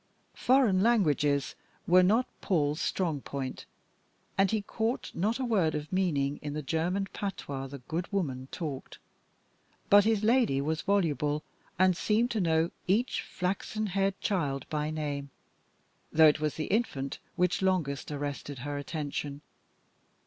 Foreign languages were not Paul's strong point, and he caught not a word of meaning in the German patois the good woman talked. But his lady was voluble, and seemed to know each flaxen haired child by name, though it was the infant which longest arrested her attention.